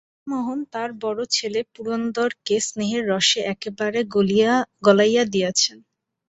হরিমোহন তাঁর বড়ো ছেলে পুরন্দরকে স্নেহের রসে একেবারে গলাইয়া দিয়াছেন।